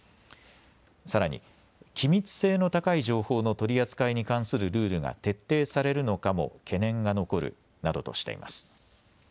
さらに機密性の高い情報の取り扱いに関するルールが徹底されるのかも懸念が残るなどとしています。